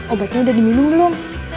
obatnya udah diminum belum